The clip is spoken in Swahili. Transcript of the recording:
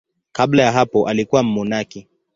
Kabla ya hapo alikuwa mmonaki.